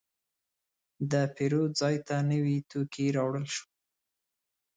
د پیرود ځای ته نوي توکي راوړل شول.